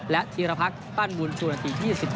และทีละพักปั้นบุญชูนาที๒๓